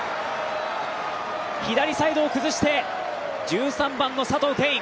左サイドを崩して１３番の佐藤恵允！